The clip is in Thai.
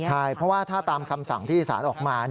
ใช่เพราะว่าถ้าตามคำสั่งที่สารออกมา